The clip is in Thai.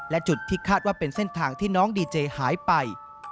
และจุดที่คาดว่าเป็นเส้นทางที่น้องดีเจหายไป